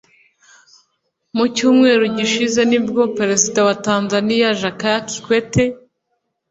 Mu cyumweru gishize nibwo Perezida wa Tanzania Jakaya Kikwete